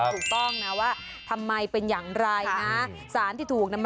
ถูกต้องนะว่าทำไมเป็นอย่างไร